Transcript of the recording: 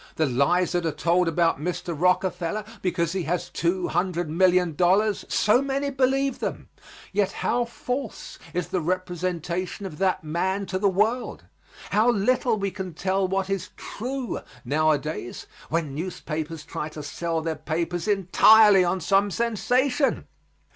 The lies that are told about Mr. Rockefeller because he has two hundred million dollars so many believe them; yet how false is the representation of that man to the world. How little we can tell what is true nowadays when newspapers try to sell their papers entirely on some sensation!